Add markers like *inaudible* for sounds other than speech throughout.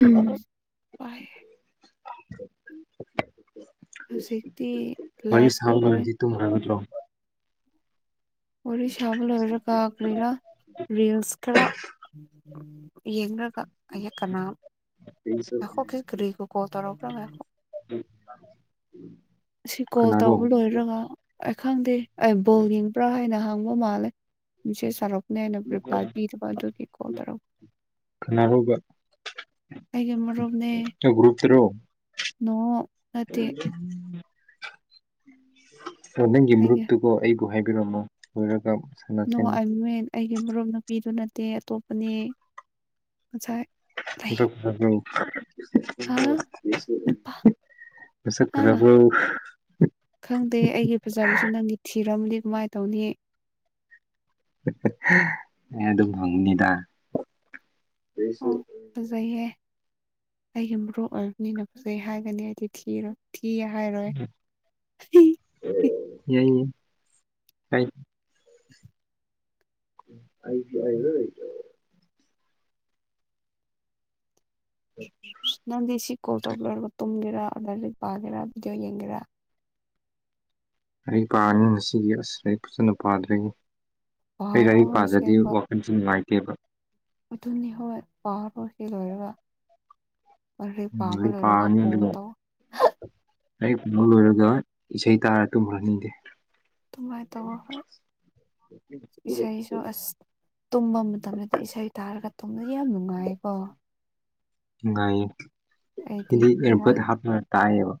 ꯎꯝ ꯄꯥꯏ ꯍꯧꯖꯤꯛꯇꯤ ꯃꯔꯤꯁ ꯂꯥꯁꯀꯤ ꯍꯥꯎꯗꯤ ꯇꯨꯝꯈ꯭ꯔꯕꯠꯇ꯭ꯔꯣ ꯋꯥꯔꯤ ꯁꯥꯥꯕ ꯂꯣꯏꯔꯒꯥ ꯀ꯭ꯔꯤꯔꯥ ꯔꯤꯜꯁ ꯈꯔ ꯌꯦꯡꯔꯒ ꯑꯩꯌꯥꯀꯅꯥ ꯉꯈꯣ ꯀꯔꯤꯀ꯭ꯔꯤꯒꯤ ꯀꯣꯜ ꯇꯧꯔꯛꯄ꯭ꯔꯥ ꯉꯈꯣ *inaudible* ꯁꯤ ꯀꯣꯜ ꯀꯅꯥꯔꯣ ꯇꯧꯕ ꯂꯣꯏꯔꯒ ꯑꯩ ꯈꯪꯗꯦ ꯑꯩ ꯕꯣꯜ ꯌꯦꯡꯕ꯭ꯔꯥ ꯍꯥꯏꯅ ꯍꯪ ꯃꯥꯜꯂꯦ ꯃꯤꯁꯦꯁ ꯁꯔꯛꯄꯅꯦ ꯑꯩꯅ ꯔꯤꯄ꯭ꯂꯥꯏ ꯄꯤꯗꯕ ꯑꯗꯨꯒꯤ ꯀꯣꯜ ꯇꯧꯔꯛ ꯀꯅꯥꯍꯤꯕ ꯑꯩꯒꯤ ꯃꯔꯨꯞꯅꯦ ꯒꯔꯣꯞꯇꯔꯣ ꯅꯣ ꯅꯠꯇꯦ ꯅꯪꯒꯤ ꯑꯩꯒꯤ ꯃꯔꯨꯞꯇꯨꯀꯤ ꯑꯩꯕꯨ ꯍꯥꯏꯕꯤꯔꯝꯃꯣ ꯂꯣꯏꯔꯒ ꯅꯣ ꯁꯥꯟꯅꯁꯦꯅ ꯑꯥꯏ ꯃꯤꯟ ꯑꯩꯒꯤ ꯃꯔꯨꯞ ꯅꯨꯄꯤꯗꯣ ꯅꯠꯇꯦ ꯑꯇꯣꯞꯄꯅꯦ ꯉꯁꯥꯏ ꯂꯩ ꯃꯁꯛ ꯐꯖ ꯕꯔ꯭ꯤ ꯍꯥ ꯅꯨꯄꯥ *unintelligible* ꯃꯁꯛ ꯍꯥ ꯐꯖꯕ꯭ꯔꯣ ꯈꯪꯗꯦ ꯑꯩꯒꯤ ꯐꯖꯥꯔꯁꯨ ꯅꯪꯗꯤ ꯊꯤꯔꯝꯗꯦ ꯀꯃꯥꯏꯅ ꯇꯧꯅꯤ ꯑꯩ ꯑꯗꯨꯝ ꯍꯪꯕꯅꯤꯗ ꯑꯩꯁꯨ ꯑꯣ ꯐꯖꯩꯍꯦ ꯑꯩꯒꯤ ꯃꯔꯨꯞ ꯑꯣꯏꯕꯅꯤꯅ ꯐꯖꯩ ꯍꯥꯏꯒꯅꯤ ꯑꯩꯗꯤ ꯊꯤꯔꯣꯏ ꯊꯤ ꯍꯥꯏꯔꯣꯏ ꯊꯤ *unintelligible* ꯌꯥꯌꯦ ꯍꯥꯏꯗ ꯑꯩꯗꯤ ꯍꯥꯏꯔꯣꯏ ꯅꯪꯗꯤ ꯁꯤ ꯀꯣꯜ ꯇꯧꯕ ꯂꯣꯢꯔꯒ ꯇꯨꯝꯒꯦꯔ ꯑꯗꯒꯤ ꯂꯥꯢꯔꯤꯛ ꯄꯥꯒꯦꯔ ꯕꯤꯗꯤꯑꯣ ꯌꯦꯡꯒꯦꯔ ꯂꯥꯏ ꯄꯥꯔꯅꯤ ꯉꯁꯤꯒꯤ ꯑꯁ ꯂꯥꯏꯔꯤꯛ ꯐꯖꯅ ꯄꯥꯗꯣꯏ ꯅꯤ ꯑꯩ ꯄꯥꯔꯣ ꯂꯥꯏꯔꯤꯛ ꯄꯥꯗ꯭ꯔꯗꯤ ꯑꯁꯦꯡꯕ ꯀꯣ *unintelligible* ꯅꯨꯡꯉꯥꯏꯇꯦꯕ ꯑꯗꯨꯅꯤ ꯍꯣꯏ ꯄꯥꯔꯣ ꯁꯤ ꯂꯣꯏꯔꯒ ꯑꯔꯦ ꯄꯥꯕ ꯂꯣꯏꯔꯒ ꯀꯣꯜ ꯇꯧ ꯂꯥꯢꯔꯤꯛ ꯄꯥꯕ ꯂꯣꯏꯔꯒ ꯏꯁꯩ ꯇꯥꯔ ꯇꯨꯝꯈ꯭ꯔꯅꯤ ꯑꯩꯗꯤ ꯑꯗꯨꯃꯥꯏ ꯇꯧꯔꯣ ꯍꯣꯏ ꯏꯁꯩꯁꯨ ꯑꯁ ꯇꯨꯝꯕ ꯃꯇꯝꯗꯗꯤ ꯏꯁꯩ ꯇꯥꯔꯒ ꯇꯨꯝꯕ ꯌꯥꯝ ꯅꯨꯡꯉꯥꯏꯌꯦꯀꯣ ꯅꯨꯡꯉꯥꯏꯌꯦ ꯑꯩꯗꯤ ꯑꯦꯌꯦꯔ ꯕꯠ ꯍꯥꯞꯄꯒ ꯇꯥꯏꯌꯦꯕ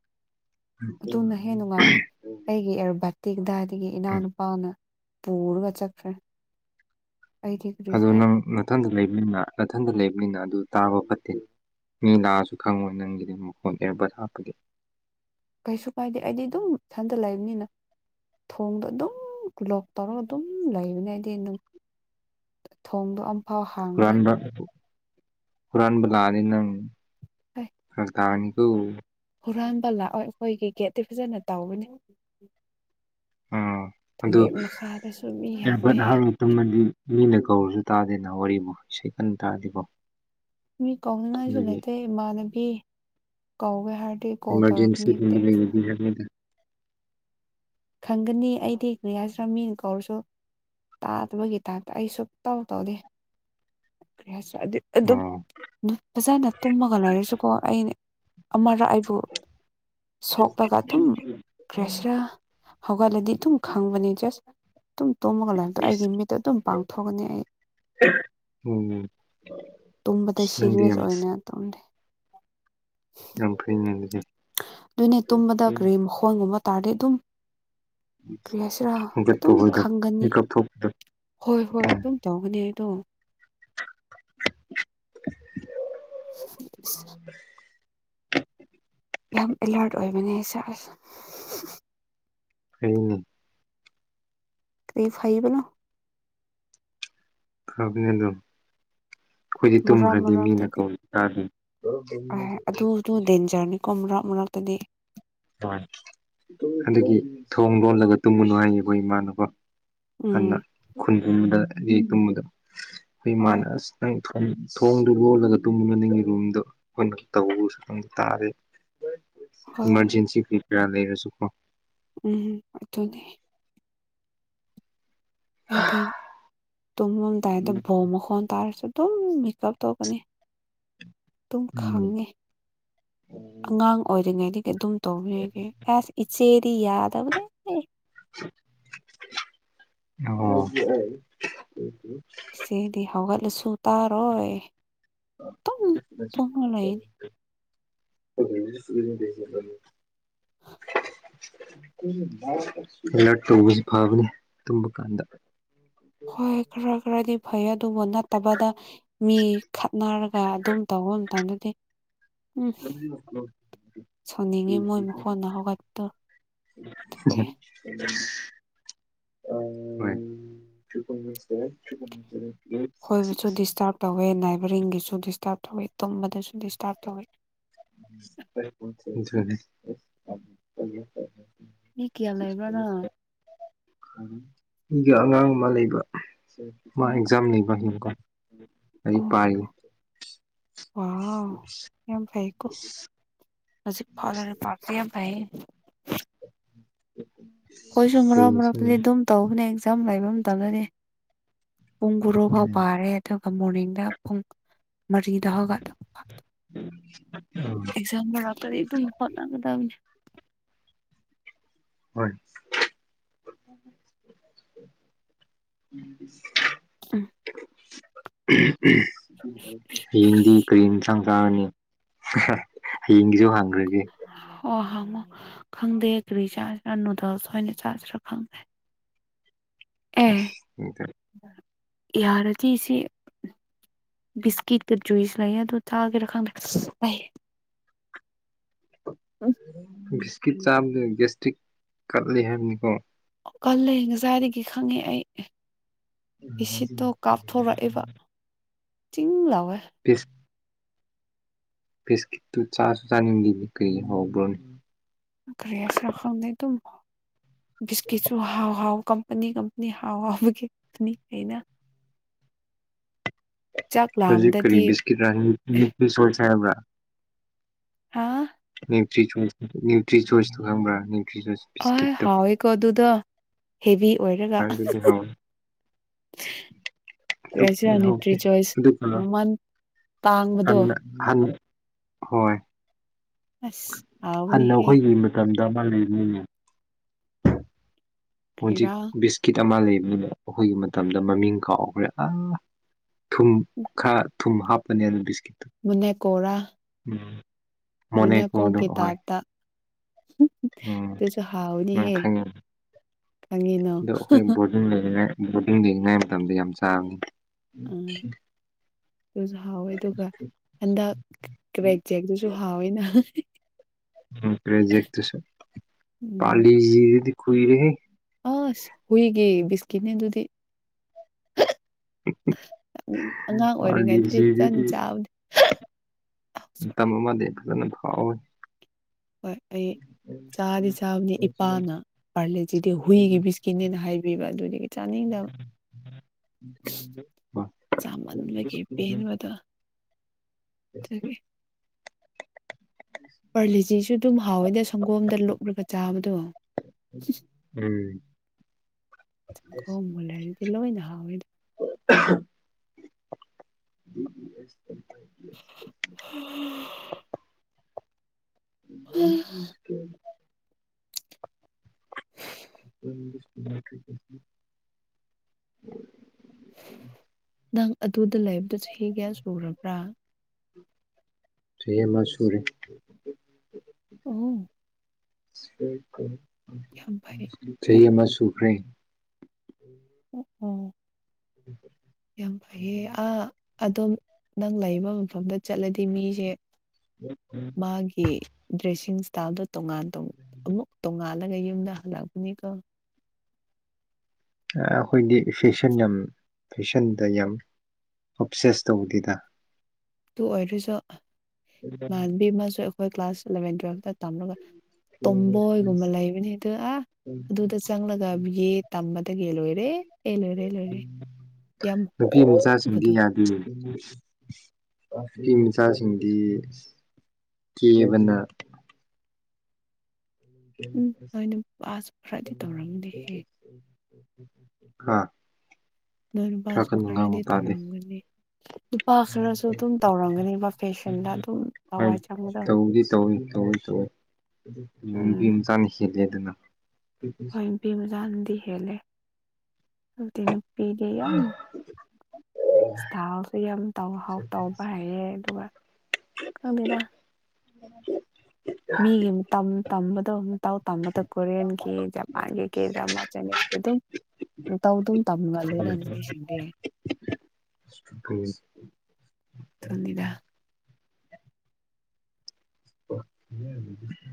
ꯑꯗꯨꯅ ꯑꯍꯝ ꯍꯦꯟꯅ ꯅꯨꯡꯉꯥꯏꯕꯅꯦ ꯑꯩꯒꯤ ꯑꯦꯌꯔ ꯕꯠꯇꯤ ꯀꯗꯥꯢꯗꯒꯤ ꯏꯅꯥꯎꯅꯨꯄꯥꯅ ꯄꯨꯔꯒ ꯆꯠꯈ꯭ꯔꯦ ꯑꯩꯗꯤ ꯑꯗꯨ ꯀꯔꯤꯁꯦ ꯅꯪ ꯅꯥꯊꯟꯗ ꯂꯩꯕꯅꯤꯅ ꯅꯥꯊꯟꯗ ꯂꯩꯕꯅꯤꯅ ꯑꯗꯨ ꯇꯥꯕ ꯐꯠꯇꯦ ꯃꯤ ꯂꯥꯛꯑꯁꯨ ꯈꯪꯉꯣꯏ ꯅꯪꯒꯤꯗꯤ ꯃꯈꯣꯟ ꯑꯦꯌꯥꯔ ꯕꯠ ꯍꯥꯞꯄꯗꯤ ꯀꯩꯁꯨ ꯀꯥꯏꯗꯦ ꯑꯩꯗꯤ ꯑꯗꯨꯝ ꯏꯊꯟꯇ ꯂꯩꯕꯅꯤꯅ ꯊꯣꯡꯗ ꯑꯗꯨꯝ ꯂꯣꯛ ꯇꯧꯔꯒ ꯑꯗꯨꯝ ꯂꯩꯕꯅꯦ ꯑꯩꯗꯤ ꯑꯗꯨꯝ ꯊꯣꯡꯗꯣ ꯑꯃꯝꯐꯥꯎ ꯍꯨꯔꯥꯟꯕ ꯍꯨꯔꯥꯟꯕ ꯂꯥꯛꯑꯗꯤ ꯅꯪ ꯍꯣꯏ ꯐꯔꯛ ꯇꯥꯔꯥꯅꯤ ꯗꯨꯝ ꯍꯨꯔꯥꯟꯕ ꯂꯥꯛꯑꯣꯢ ꯑꯩꯈꯣꯏꯒꯤ ꯒꯦꯠꯇꯤ ꯐꯖꯅ ꯇꯧꯕꯅꯔ ꯑꯥ ꯑꯗꯨ ꯑꯗꯨꯒꯤ ꯃꯈꯥꯗꯁꯨ ꯃꯤ ꯑꯦꯌꯥꯔꯕꯠ ꯌꯥꯝꯃꯦ ꯍꯥꯞꯔꯒ ꯇꯨꯝꯃꯗꯤ ꯃꯤꯅ ꯀꯧꯔꯁꯨ ꯇꯥꯗꯦꯅ ꯋꯥꯔꯤꯕꯨ ꯁꯤꯀꯟ ꯇꯥꯗꯦꯀꯣ ꯃꯤ ꯀꯧꯅꯤꯡꯉꯥꯏꯁꯨ ꯂꯩꯇꯦ ꯏꯃꯥꯟꯅꯕꯤ ꯀꯧꯒꯦ ꯍꯥꯏꯔ ꯏꯃꯔꯖꯦꯟꯁꯤ ꯂꯩꯔꯗꯤ ꯍꯥꯏꯕꯅꯤꯗ ꯈꯪꯒꯅꯤ ꯑꯩꯗꯤ ꯀ꯭ꯔꯤ ꯍꯥꯢꯁꯤꯔ ꯃꯤꯅ ꯀꯧꯔꯁꯨ ꯇꯥꯗꯕꯒꯤ ꯇꯥꯏꯞꯇ ꯑꯩ ꯁꯨꯛꯇꯧ ꯇꯧꯗꯦ ꯀꯩ ꯍꯥꯢꯁꯤꯔ ꯑꯩꯗꯤ ꯑꯗꯨꯝ ꯑꯣ ꯐꯖꯅ ꯇꯨꯝꯃꯒ ꯂꯩꯔꯁꯨꯀꯣ ꯑꯩ ꯑꯃꯔꯛ ꯑꯩꯕꯨ ꯁꯣꯛꯂꯒ ꯑꯗꯨꯝ ꯀꯩ ꯍꯥꯢꯁꯤꯔ ꯍꯧꯒꯠꯂꯗꯤ ꯑꯗꯨꯝ ꯈꯪꯕꯅꯤ ꯖꯁ ꯑꯗꯨꯝ ꯇꯨꯝꯃꯒ ꯂꯩꯕꯗꯨ ꯑꯩꯒꯤ ꯃꯤꯠꯇ ꯑꯗꯨꯝ ꯄꯥꯡꯊꯣꯛꯑꯅꯤ ꯑꯩ ꯎꯝ ꯇꯨꯝꯕꯗ ꯑꯁ ꯅꯪꯗꯤ ꯌꯥꯝ ꯁꯤꯔꯦꯖ ꯑꯣꯏꯅ ꯇꯨꯝꯗꯦ ꯌꯥꯝ ꯐꯩꯅꯦ ꯑꯗꯨꯗꯤ ꯑꯗꯨꯅꯦ ꯇꯨꯝꯕꯗ ꯀꯔꯤ ꯃꯈꯣꯟꯒꯨꯝꯕ ꯇꯥꯔꯗꯤ ꯑꯗꯨꯝ ꯀ꯭ꯔꯤꯍꯥꯢꯁꯤꯔ ꯍꯧꯒꯠꯄ ꯑꯗꯨꯝ ꯍꯣꯏꯗꯣ ꯈꯪꯒꯅꯤ ꯃꯤꯀꯞ ꯊꯣꯛꯄꯗꯣ ꯍꯣꯏ ꯍꯣꯏ ꯎꯝ ꯑꯗꯨꯝ ꯇꯧꯒꯅꯤ ꯑꯩꯗꯣ ꯑꯁ INAUDIBLE ꯌꯥꯝ ꯑꯦꯂꯥꯔꯠ ꯑꯣꯏꯕꯅ ꯑꯩꯁꯦ ꯐꯩꯅꯦ ꯀꯔꯤ ꯐꯩꯕꯅꯣ ꯐꯕꯅꯦ ꯑꯗꯨꯝ ꯑꯩꯈꯣꯏꯗꯤ ꯃꯔꯛ ꯇꯨꯝꯈ꯭ꯔꯗꯤ ꯃꯤꯅ ꯀꯧ ꯇꯥꯗꯦ ꯑꯍꯦ ꯑꯗꯨ ꯑꯗꯨ ꯗꯦꯟꯖꯔꯅꯤꯀꯣ ꯃꯔꯛ ꯃꯔꯛꯇꯗꯤ ꯍꯣꯏ ꯑꯗꯨꯒꯤ ꯊꯣꯡ ꯂꯣꯜꯂꯒ ꯇꯨꯝꯒꯅꯨ ꯍꯥꯏꯌꯅꯦ ꯑꯩꯈꯣꯏ ꯏꯃꯥꯅ ꯀꯣ ꯎꯝ UNINTELLIGIBLE ꯍꯣꯏ ꯊꯣꯡꯗꯨ ꯂꯣꯜꯂꯒ ꯇꯨꯝꯃꯝꯅꯤꯅ ꯔꯨꯝꯗꯣ ꯑꯈꯣꯏꯅ ꯀꯧꯕꯖꯨ ꯅꯪ ꯇꯥꯗꯦ ꯍꯣꯏ ꯏꯃꯥꯔꯖꯦꯟꯁꯤ ꯀꯔꯤ ꯀꯔꯥ ꯂꯩꯔꯖꯨꯀꯣ ꯎꯪꯎꯪ ꯑꯗꯨꯅꯦ ꯑꯩꯗꯤ ꯇꯨꯝꯃꯝꯗꯥꯏꯗ ꯕꯣꯝ ꯃꯈꯣꯟ ꯇꯥꯔꯁꯨ ꯑꯗꯨꯝ ꯃꯤꯀꯞ ꯊꯣꯛꯀꯅꯤ ꯇꯨꯝ ꯎꯝ ꯈꯪꯉꯦ ꯑꯉꯥꯡ ꯑꯣꯏꯔꯤꯉꯩꯗꯒꯤ ꯑꯗꯨꯝ ꯇꯧꯔꯤ ꯑꯩꯗꯤ ꯍꯥꯁ ꯏꯆꯦꯗꯤ ꯌꯥꯗꯕ ꯅꯦ UNINTELLIGIBLE ꯢꯆꯦꯗꯤ ꯍꯧꯒꯠꯂꯁꯨ ꯇꯥꯔꯣꯏ ꯑꯗꯨꯝ ꯇꯨꯝꯃ ꯂꯩꯅꯤ INAUDIBLE UNINTELLIGIBLE ꯍꯣꯏ ꯈꯔ ꯈꯔꯗꯤ ꯐꯩꯌꯦ ꯑꯗꯨꯕꯨ ꯅꯠꯇꯕꯗ ꯃꯤ ꯈꯠꯅꯔꯒ ꯑꯗꯨꯝ ꯇꯧꯕ ꯃꯇꯝꯗꯗꯤ ꯎꯪꯈ ꯁꯥꯎꯅꯤꯡꯉꯤ ꯃꯣꯏ ꯃꯈꯣꯟꯅ ꯍꯧꯒꯠꯄꯗꯣ ꯑꯗꯨꯒꯤ INAUDIBLE UNINTELLIGIBLE ꯈꯣꯏꯕꯨꯁꯨ ꯗꯤꯁꯇ꯭ꯥꯔ꯭ꯕ ꯇꯧꯋꯦ ꯅꯥꯏꯕꯔꯤꯡꯒꯤꯁꯨ ꯗꯤꯁꯇ꯭ꯥꯔ꯭ꯕ ꯇꯧꯋꯦ ꯇꯨꯝꯕꯗꯁꯨ ꯗꯤꯁꯇ꯭ꯥꯔ꯭ꯕ ꯇꯧꯋꯦ UNINTELLIGIBLE UNINTELLIGIBLE ꯃꯤ ꯃꯥ ꯀꯌꯥ ꯂꯩꯕ꯭ꯔꯥ ꯅꯪ ꯑꯦꯛꯖꯥꯝ ꯂꯩꯕ ꯒꯤꯕꯀꯣ ꯑꯣ ꯂꯥꯏꯔꯤꯛ ꯄꯥꯏꯅꯦ ꯋꯥꯑꯥꯎ ꯌꯥꯝ ꯐꯩꯀꯣ ꯍꯧꯖꯤꯛꯐꯥꯎ ꯂꯥꯏꯔꯤꯛ ꯄ꯭ꯥꯕ ꯁꯤ ꯌꯥꯝ ꯐꯩꯌꯦ ꯈꯣꯏꯖꯨ ꯃꯔꯛ ꯍꯌꯦꯡꯁꯦ ꯃꯔꯛꯇꯗꯤ ꯎꯝ ꯑꯗꯨꯝ ꯇꯧꯕꯅꯦ ꯑꯦꯛꯖꯥꯝ ꯂꯩꯕ ꯃꯇꯝꯗꯗꯤ ꯄꯨꯡ ꯒꯨꯔꯨ ꯐꯥꯎ ꯄꯥꯔꯦ ꯑꯗꯨꯒ ꯃꯣꯔꯅꯤꯡꯗ ꯄꯨꯡ ꯃꯔꯤ ꯗ ꯍꯧꯒꯠꯄ ꯑꯦꯛꯖꯥꯝ ꯃꯔꯛꯇꯗꯤ ꯑꯗꯨꯝ ꯍꯣꯠꯅꯒꯗꯝꯅꯦ ꯍꯣꯢ ꯎꯝ INAUDIBLE ꯍꯌꯦꯡꯗꯤ ꯀꯔꯤ ꯏꯟꯁꯥꯡ ꯆꯥꯔꯅꯤ ꯍꯌꯦꯡꯒꯤꯖꯨ ꯍꯥꯡꯒ꯭ꯔꯒꯦ ꯑꯣ ꯍꯪꯉꯣ ꯈꯪꯗꯦ ꯀ꯭ꯔꯤ ꯆꯥꯁꯤꯔꯥ ꯅꯨꯗꯜꯁ ꯑꯣꯏꯅ ꯆꯥꯁꯤꯔꯥ ꯈꯪꯗꯦ ꯑꯦ ꯑꯥꯁ ꯅꯨꯗꯜ ꯌꯥꯔꯗꯤ ꯁꯤ ꯕꯤꯁꯀꯤꯠꯀ ꯖꯨꯏꯁ ꯂꯩꯌꯦ ꯑꯗꯨ ꯊꯛꯑꯒꯦꯔꯥ ꯈꯪꯗꯦ ꯑꯩꯆ ꯑꯩ ꯕꯤꯁꯀꯤꯠ ꯆꯥꯕꯗꯣ ꯒ꯭ꯌꯥꯏꯇ꯭ꯔꯤꯛ ꯀꯜꯂꯤ ꯍꯥꯏꯕꯅꯤꯀꯣ ꯀꯜꯂꯦ ꯉꯁꯥꯏꯗꯒꯤ ꯈꯪꯉꯦ ꯑꯩ ꯏꯁꯤꯠꯇꯣ ꯀꯥꯞꯊꯣꯔꯛꯑꯦꯕ ꯆꯤꯡ ꯂꯥꯎꯋꯦ ꯏꯁ ꯄꯤꯁꯀꯤꯠꯇꯨ ꯆꯥꯁꯨ ꯆꯥꯅꯤꯡꯗꯦ ꯀꯩ ꯍꯕ꯭ꯔꯣꯅꯦ ꯀꯔꯤ ꯍꯥꯏꯁꯤꯔ ꯈꯪꯗꯦ ꯑꯇꯨꯝ ꯕꯤꯁꯀꯤꯠꯁꯨ ꯍꯥꯎ ꯍꯥꯎ ꯀꯞ ꯄꯅꯤ ꯀꯝꯄꯅꯤ ꯍꯥꯥꯎ ꯋꯥꯎꯕꯒꯤ ꯄꯅꯤ ꯂꯩꯅ ꯆꯥꯛ ꯍꯧꯖꯤꯛ ꯀꯔꯤ ꯂꯥꯝꯕꯗꯗꯤ ꯕꯤꯁꯀꯤꯠꯔ ꯅꯤꯇ꯭ꯔꯤ ꯆꯣꯏꯁ ꯆꯥꯕ꯭ꯔꯥ ꯍꯥ ꯅ꯭ꯌꯨꯇ꯭ꯔꯤꯆꯣꯏꯁ ꯅ꯭ꯌꯨꯇ꯭ꯔꯤꯆꯣꯏꯁꯇꯣ ꯈꯪꯕ꯭ꯔꯥ ꯅ꯭ꯌꯨꯇ꯭ꯔꯤꯆꯣꯏꯁ ꯑꯣꯏ ꯍꯥꯎꯋꯤꯀꯣ ꯑꯗꯨꯗꯣ ꯍꯦꯚꯤ ꯑꯣꯏꯔꯒ ꯑꯗꯨꯗꯤ ꯍꯥꯎꯋꯦ ꯇꯨ ꯀꯔꯤꯍꯥꯏꯁꯤꯔ ꯅ꯭ꯌꯨꯇ꯭ꯔꯤ ꯍꯥꯎꯇꯦ ꯆꯣꯏꯁ ꯗꯤꯞ ꯄꯂꯥ ꯃꯃꯜ ꯇꯥꯡꯕꯗꯣ ꯑꯝꯅ ꯍꯟ ꯍꯣꯏ ꯑꯁ ꯍꯟꯅ ꯍꯥꯎꯕꯅꯤꯍꯦ ꯑꯈꯣꯏꯒꯤ ꯃꯇꯝꯗ ꯑꯃ ꯂꯩꯕꯅꯤꯅꯦ ꯍꯣꯖꯤꯛ ꯀ꯭ꯔꯤꯔꯥ ꯕꯤꯁꯀꯤꯠ ꯑꯃ ꯂꯩꯕꯅꯤꯕ ꯑꯈꯣꯏꯒꯤ ꯃꯇꯝꯗ ꯃꯃꯤꯡ ꯀꯥꯎꯒ꯭ꯔꯦ ꯑ ꯊꯨꯝ ꯈ ꯊꯨꯝ ꯍꯥꯄꯅꯤ ꯑꯗꯨꯏ ꯕꯤꯁꯀꯤꯠ ꯇꯨ ꯃꯟꯅꯦꯛꯀꯣꯔ ꯎꯝ ꯃꯣꯅꯦꯀꯣꯗꯣ ꯃꯅꯦꯛꯀꯣꯀꯤ ꯍꯣꯏ ꯇꯥꯏꯞꯇ ꯎꯝ ꯇꯨꯁꯨ ꯅꯪ ꯍꯥꯎꯅꯤꯍꯦ ꯈꯪꯉꯦ ꯀꯉꯤꯅꯣ ꯌꯨꯝ ꯂꯩꯔꯤꯉꯥꯏ ꯕꯣꯔꯗꯤꯡ ꯂꯩꯔꯤꯉꯥꯏ ꯃꯇꯝꯗ ꯌꯥꯝ ꯆꯥꯕꯅꯤ ꯎꯝ ꯑꯗꯨꯁꯨ ꯍꯥꯎꯋꯦ ꯑꯗꯨꯒ ꯍꯟꯗꯛ ꯀ꯭ꯔꯦꯛ ꯖꯦꯛꯇꯨꯁꯨ ꯍꯥꯎꯋꯤꯅ ꯎꯝ ꯀ꯭ꯔꯦꯖꯦꯛꯇꯨꯁꯨ ꯎꯝ ꯄꯥꯔꯂꯤꯖꯤꯗꯨꯗꯤ ꯀꯨꯏꯔꯦꯍꯦ ꯑꯁ ꯍꯨꯏꯒꯤ ꯕꯤꯁꯀꯤꯠꯅꯦ ꯑꯗꯨꯗꯤ ꯅꯤꯡ ꯑꯉꯥꯡ ꯑꯣꯏꯔꯤꯉꯩꯗꯗꯤ ꯇꯟ ꯄꯥꯔꯂꯤꯖꯤꯗꯨꯗꯤ ꯆꯥꯕꯅꯦ ꯃꯇꯝ ꯑꯃꯗꯤ ꯐꯖꯅ ꯐꯥꯎꯋꯦ ꯍꯣꯏ ꯑꯩ ꯆꯥꯗꯤ ꯆꯥꯕꯅꯦ ꯏꯄꯥꯅ ꯄꯥꯔꯂꯦꯖꯤꯗꯤ ꯍꯨꯏꯒꯤ ꯕꯤꯁꯀꯤꯠꯅꯦꯅ ꯍꯥꯏꯕꯤꯕ ꯑꯗꯨꯗꯒꯤ ꯆꯥꯅꯤꯡꯗꯕ ꯆꯥꯃꯟꯕꯒꯤ ꯄꯦꯟꯕꯗꯣ *unintelligible* ꯄꯔꯂꯤꯖꯤꯖꯨ ꯑꯗꯨꯝ ꯍꯥꯎꯋꯦꯗ ꯁꯪꯒꯣꯝꯗ ꯂꯨꯞꯔꯒ ꯆꯥꯕꯗꯣ ꯎꯝ ꯁꯪꯒꯣꯝ ꯃꯨꯜꯍꯜꯂꯗꯤ ꯂꯣꯏꯅ ꯍꯥꯥꯎꯋꯦꯗ *unintelligible* *unintelligible* *unintelligible* ꯅꯪ ꯑꯗꯨꯗ ꯂꯩꯕꯗꯣ ꯆꯍꯤ ꯀꯌꯥ ꯁꯨꯔꯕ꯭ꯔꯥ ꯆꯍꯤ ꯑꯃ ꯁꯨꯔꯦ ꯑꯍꯨꯝ ꯆꯍꯤ ꯀꯨꯟ ꯌꯥꯝ ꯐꯩ ꯆꯍꯤ ꯐꯩ ꯑꯃ ꯁꯨꯈ꯭ꯔꯦ *unintelligible* *unintelligible* ꯌꯥꯝ ꯐꯩꯌꯦ ꯑꯥ ꯑꯗꯨꯝ ꯅꯪ ꯂꯩꯕ ꯃꯐꯝꯗ ꯆꯠꯂꯗꯤ ꯃꯤꯁꯦ *unintelligible* ꯃꯥꯒꯤ ꯗ꯭ꯔꯦꯁꯤꯡ ꯏꯁꯇꯥꯏꯜꯗꯣ ꯇꯣꯉꯥꯟ ꯇꯧ *unintelligible* ꯑꯃꯨꯛ ꯇꯣꯡꯉꯥꯜꯂꯒ ꯌꯨꯝꯗ ꯍꯜꯂꯛꯄꯅꯤꯀꯣ ꯑ ꯑꯈꯣꯏꯗꯤ ꯐꯦꯁꯟ ꯌꯥꯝ ꯐꯦꯁꯟꯗ ꯌꯥꯝ ꯑꯣꯞꯁꯦꯁ ꯇꯧꯗꯦꯗ ꯗꯨꯨ ꯑꯣꯏꯔꯁꯨ ꯏꯃꯥꯟꯅꯕꯤ ꯑꯃꯁꯨ ꯑꯈꯣꯏ ꯀ꯭ꯂꯥꯁ ꯏꯂꯚꯦꯟ ꯇꯨꯌꯦꯜꯐꯇ ꯇꯝꯔꯒ ꯇꯣꯝꯕꯣꯏꯒꯨꯝꯕ ꯂꯩꯕꯅꯦ ꯗꯨ ꯑ ꯑꯗꯨꯗ ꯆꯪꯂꯒ ꯕꯤꯌꯦ ꯇꯝꯕꯗꯒꯤ ꯂꯣꯏꯔꯦ ꯑꯦ ꯂꯣꯏꯔꯦ ꯂꯣꯏꯔꯦ ꯌꯥꯝ ꯅꯨꯄꯤ ꯃꯆꯥꯁꯤꯡꯗꯤ ꯍꯣꯡꯕꯗꯣ ꯌꯥꯗꯦ *unintelligible* ꯅꯨꯄꯤ ꯃꯆꯥꯁꯤꯡꯗꯤ ꯀꯦꯕꯅ ꯎꯝ ꯅꯣꯏ ꯅꯨꯄꯥꯁꯨ ꯈꯔꯗꯤ ꯇꯧꯔꯝꯗꯦꯍꯦ ꯍꯥꯥ ꯅꯣꯏ ꯅꯨꯄꯥꯁꯨ ꯈꯔꯗꯤ ꯇꯧꯔꯝꯒꯅꯤ ꯅꯨꯄꯥ ꯈꯔꯁꯨ ꯗꯨꯝ ꯇꯧꯔꯝꯒꯅꯦꯕ ꯐꯦꯁꯟꯗ ꯑꯗꯨꯝ ꯍꯣꯏ ꯊꯋꯥꯏ ꯆꯪ ꯇꯧꯗꯤ ꯇꯧ ꯇꯧꯋꯦ ꯗꯣ ꯅꯨꯄꯤ ꯎꯝ ꯃꯆꯥꯅ ꯍꯦꯜꯂꯦ ꯗꯅ ꯍꯣꯏ ꯅꯨꯄꯤ ꯃꯆꯥ ꯅꯥꯗꯤ ꯍꯦꯟꯂꯦ ꯑꯗꯨꯏ ꯅꯨꯄꯤꯗꯤ ꯌꯥꯝ ꯏꯁꯇꯥꯜꯁꯨ ꯌꯥꯝ ꯇꯧ ꯍꯧ ꯇꯧꯕ ꯍꯩꯌꯦ ꯑꯗꯨꯒ ꯈꯪꯗꯦꯗ *unintelligible* ꯃꯤꯒꯤ ꯇꯝ ꯇꯝꯕꯗꯣ ꯃꯇꯧ ꯇꯝꯕꯗ ꯀꯣꯔꯤꯌꯟꯒꯤ ꯖꯄꯥꯟꯒꯤ ꯀꯩꯗ꯭ꯔꯃ ꯆꯥꯏꯅꯤꯁꯀꯤ ꯗꯨꯝ ꯃꯇꯧ ꯗꯨꯝ ꯇꯝꯒꯟꯂꯦꯅ ꯅꯨꯄꯤꯁꯤꯡꯗꯤ ꯈꯪꯉꯤ ꯊꯟꯅꯤꯗ *inaudible*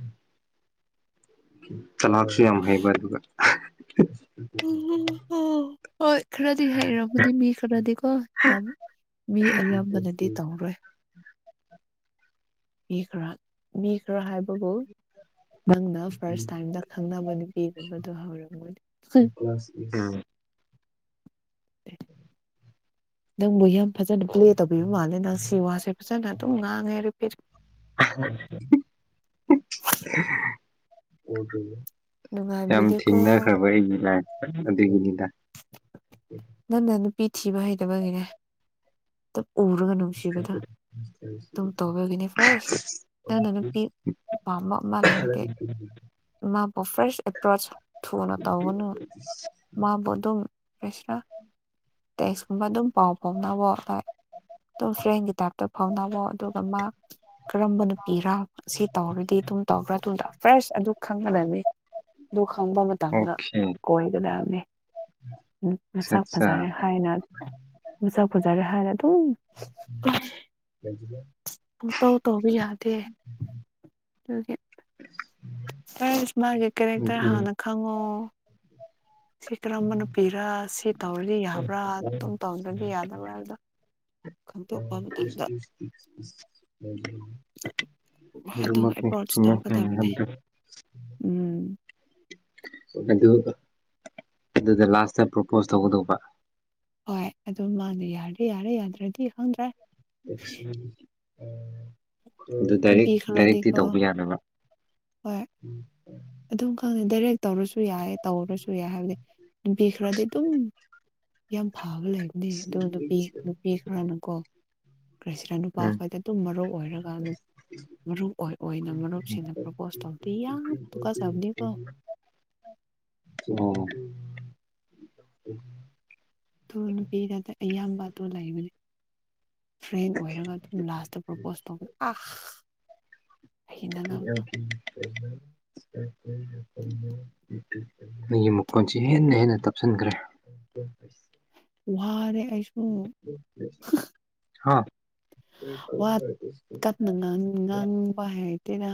ꯆꯂꯥꯛꯁꯨ ꯌꯥꯝ ꯍꯩꯕ ꯑꯗꯨꯒ ꯍꯣꯏ ꯈꯔꯗꯤ ꯍꯥꯏꯔꯝꯃꯅꯤ ꯃꯤ ꯈꯔꯗꯤ ꯀꯣ ꯌꯥꯝ ꯃꯤ ꯑꯌꯥꯝꯕꯅꯗꯤ ꯇꯧꯔꯣꯏ ꯃꯤ ꯈꯔꯥ ꯃꯤ ꯈꯔ ꯍꯥꯏꯕꯕꯨ ꯅꯪꯅ ꯐꯥꯔꯁ ꯇꯥꯏꯝꯗ ꯈꯪꯅꯕ ꯅꯨꯄꯤꯒꯨꯝꯕꯗꯣ ꯍꯧꯔꯝꯃꯣꯏꯅꯤ ꯀ꯭ꯂꯥꯁ ꯇꯤ ꯀꯌꯥ *unintelligible* ꯅꯪꯕꯨ ꯌꯥꯝ ꯐꯖꯅ ꯄ꯭ꯂꯦ ꯇꯧꯕꯤꯕ ꯃꯥꯜꯂꯦ ꯅꯪ ꯁꯤ ꯋꯥꯁꯦ ꯐꯖꯅ ꯑꯗꯨꯝ ꯉꯥꯡꯉꯦ ꯔꯤꯄꯤꯠ *inaudible* ꯌꯥꯝ ꯅꯨꯡꯉꯥꯏꯕꯤꯗꯦꯀꯣ ꯊꯤꯡꯅꯈ꯭ꯔꯕ ꯑꯩꯒꯤ ꯂꯥꯏꯞꯇ ꯑꯗꯨꯒꯤꯅꯤꯗ ꯅꯪꯅ ꯅꯨꯄꯤ ꯊꯤꯕ ꯍꯩꯇꯕꯒꯤꯅꯦ ꯗꯞ ꯎꯔꯒꯅꯨ *unintelligible* ꯗꯨꯝ ꯇꯧꯕꯗꯒꯤꯅꯦ ꯐ꯭ꯔꯁ ꯅꯪꯅ ꯅꯨꯄꯤ ꯄꯥꯥꯝꯕ ꯑꯃ ꯂꯩꯔꯗꯤ *unintelligible* ꯃꯥꯕꯨ ꯐ꯭ꯔꯁ ꯑꯦꯄ꯭ꯔꯣꯁ ꯊꯨꯅ ꯇꯧꯒꯅꯨ ꯃꯥꯕꯨ ꯑꯗꯨꯝ ꯐ꯭ꯔꯦꯁꯔꯥ ꯇꯦꯛꯁꯀꯨꯝꯕ ꯑꯗꯨꯝ ꯄꯥꯎ ꯐꯥꯎꯅꯕ ꯑꯥꯏ ꯇꯨꯝ ꯐ꯭ꯔꯦꯟꯒꯤ ꯇꯥꯏꯞꯇ ꯐꯥꯎꯅꯕ ꯑꯗꯨꯒ ꯃꯥ ꯀꯔꯝꯕ ꯅꯨꯄꯤꯔꯥ ꯁꯤ ꯇꯧꯔꯗꯤ ꯇꯨꯝ ꯇꯧꯕ꯭ꯔꯥ ꯇꯨꯡꯗ ꯐ꯭ꯔꯁ ꯑꯗꯨ ꯈꯪꯒꯗꯝꯅꯤ ꯗꯨ ꯈꯪꯕ ꯃꯇꯝꯗ ꯑꯣꯀꯦ ꯑꯠ ꯀꯣꯏꯒꯗꯝꯅꯦ ꯎꯝ ꯅꯁꯥꯛ ꯐ ꯑꯠꯆꯥ ꯍꯥꯏꯅ ꯃꯁꯛ ꯐꯖꯔꯦ ꯍꯥꯏꯔ ꯑꯗꯨꯝ ꯂꯩꯖꯤꯗꯦ ꯄꯨꯡꯇꯧ ꯇꯧꯕꯥ ꯌꯥꯗꯦ ꯇꯨꯒꯤ ꯐ꯭ꯔꯁ ꯃꯥꯒꯤ ꯀꯦꯔꯦꯛꯇꯔ ꯍꯥꯟꯅ ꯈꯪꯉꯣ ꯁꯤ ꯀꯔꯝꯕ ꯅꯨꯄꯤꯔꯥ ꯁꯤ ꯇꯧꯔꯗꯤ ꯌꯥꯕ꯭ꯔꯥ ꯑꯗꯨꯝ ꯇꯧꯗ꯭ꯔꯗꯤ ꯌꯥꯗꯕ꯭ꯔꯥ ꯍꯥꯏꯕꯗꯣ ꯈꯪꯗꯣꯛꯄ ꯃꯇꯝꯗ ꯑꯗꯨꯒ ꯑꯗꯨꯃꯛꯅꯤ ꯑꯦꯄ꯭ꯔꯣꯆ ꯆꯨꯝꯃꯦ ꯅꯪꯅ ꯇꯧꯒꯗꯕꯅꯤ ꯍꯥꯏꯕꯗꯣ ꯎꯝ ꯑꯗꯨ ꯑꯗꯨꯗ ꯂꯥꯁꯇ ꯄ꯭ꯔꯣꯄꯣꯁ ꯇꯧꯒꯗꯧꯕ ꯍꯣꯏ ꯑꯗꯨ ꯃꯥꯅ ꯌꯥꯔꯗꯤ ꯌꯥꯔꯦ ꯌꯥꯗ꯭ꯔꯗꯤ ꯈꯪꯗ꯭ꯔꯦ *unintelligible* ꯑꯗꯨ ꯅꯨꯄꯤ ꯗꯥꯏꯔꯦꯛ ꯗꯥꯏꯔꯦꯛꯇꯤ ꯈꯔꯗꯤꯀꯣ ꯇꯧꯕ ꯌꯥꯗꯕ꯭ꯔꯥ ꯍꯣꯏ ꯑꯗꯨꯝ ꯈꯪꯗꯦ ꯗꯥꯏꯔꯦꯛ ꯇꯧꯔꯁꯨ ꯌꯥꯏ ꯇꯧꯗ꯭ꯔꯁꯨ ꯌꯥꯏ ꯍꯥꯏꯕꯗꯤ ꯅꯨꯄꯤ ꯈ꯭ꯔꯗꯤ ꯗꯨꯝ ꯌꯥꯝ ꯐꯕ ꯂꯩꯕꯅꯦ ꯑꯗꯨ ꯅꯨꯄꯤ ꯅꯨꯄꯤ ꯈꯔꯅꯀꯣ *unintelligible* ꯎꯝ ꯅꯨꯄꯥꯈꯣꯏꯗ ꯑꯗꯨꯝ ꯃꯔꯧ ꯑꯣꯏꯔꯒ ꯅꯨ ꯃꯔꯨꯞ ꯑꯣꯏ ꯑꯣꯏꯅ ꯃꯔꯨꯞꯁꯤꯡꯅ ꯄ꯭ꯔꫭꯄꯣꯁ ꯇꯧꯕꯗꯤ ꯌꯥꯝ ꯇꯨꯀꯠꯆꯕꯅꯤꯀꫭ ꯑꯣ ꯇꯨ ꯅꯨꯄꯤꯗꯗ ꯑꯌꯥꯝꯕ ꯑꯗꯨ ꯂꯩꯕꯅꯤ ꯐ꯭ꯔꯦꯟ ꯑꯣꯏꯔꯒ ꯑꯗꯨꯝ ꯂꯥꯁꯇ ꯄ꯭ꯔꯣꯄꯣꯁ ꯇꯧꯕ ꯑꯥ *unintelligible* ꯃꯤꯒꯤ ꯃꯈꯣꯟꯁꯤ ꯍꯦꯟꯅ ꯍꯦꯟꯅ ꯇꯞꯁꯤꯟꯈ꯭ꯔꯦ ꯋꯥꯔꯦ ꯑꯩꯁꯨ ꯍꯥꯥ ꯋꯥ ꯇꯞꯅ ꯉꯥꯡ ꯉꯥꯡꯕ ꯍꯩꯇꯦꯗꯥ